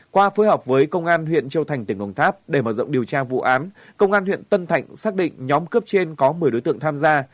qua phối hợp với công an huyện châu thành tỉnh đồng tháp để mở rộng điều tra vụ án công an huyện tân thạnh xác định nhóm cướp trên có một mươi đối tượng tham gia